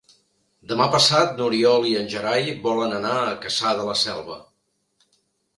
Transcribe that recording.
Demà passat n'Oriol i en Gerai volen anar a Cassà de la Selva.